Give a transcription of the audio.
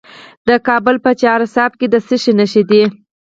د کابل په چهار اسیاب کې د څه شي نښې دي؟